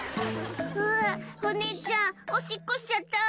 お姉ちゃん、おしっこしちゃった。